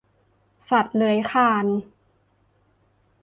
สัตว์เลื้อยคลาน